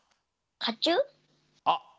あっ